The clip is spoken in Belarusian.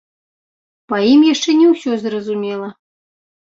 Па ім яшчэ не ўсё зразумела.